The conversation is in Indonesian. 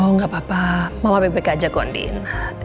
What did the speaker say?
nggak apa apa mama balik balik aja kok ndin